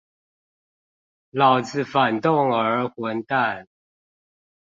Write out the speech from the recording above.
老子反動兒混蛋